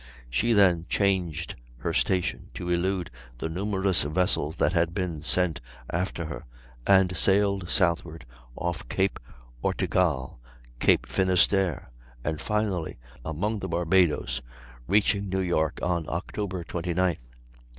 She then changed her station, to elude the numerous vessels that had been sent after her, and sailed southward, off Cape Ortegal, Cape Finisterre, and finally among the Barbadoes, reaching New York, Oct. 29th.